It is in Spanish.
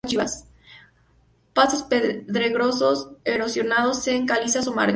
Pastos pedregosos, erosionados en calizas o margas.